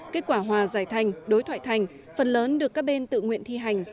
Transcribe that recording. kết quả hòa giải thành đối thoại thành phần lớn được các bên tự nguyện thi hành